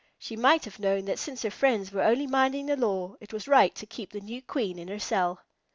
She might have known that since her friends were only minding the law, it was right to keep the new Queen in her cell.